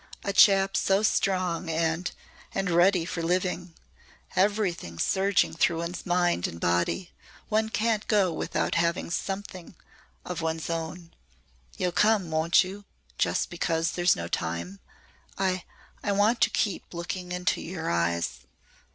"A chap's so strong and and ready for living. Everything's surging through one's mind and body. One can't go out without having something of one's own. You'll come, won't you just because there's no time? I I want to keep looking into your eyes."